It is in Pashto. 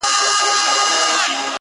هره ورځ انتظار; هره شپه انتظار;